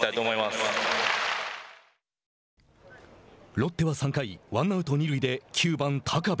ロッテは３回ワンアウト、二塁で９番高部。